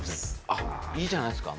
いいじゃないですか。